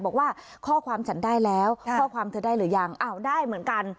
บอกว่าข้อความฉันได้แล้วข้อความเธอได้หรือยังอ้าวได้เหมือนกัน